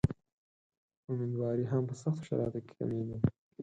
امیندواري هم په سختو شرایطو کې کمېږي.